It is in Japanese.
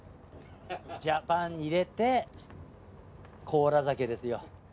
ジャパン入れて甲羅酒ですよ。